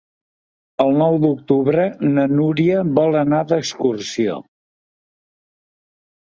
El nou d'octubre na Núria vol anar d'excursió.